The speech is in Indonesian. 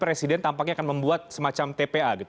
resident tampaknya akan membuat semacam tpa